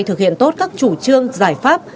thực hiện tốt các chủ trương giải pháp